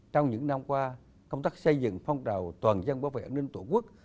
trong những năm qua công tác xây dựng phong trào toàn dân bảo vệ an ninh tổ quốc